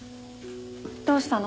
どうしたの？